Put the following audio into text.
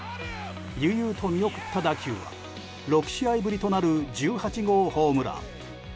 悠々と見送った打球は６試合ぶりとなる１８号ホームラン。